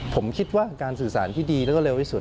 ผมคิดว่าการสื่อสารที่ดีแล้วก็เร็วที่สุด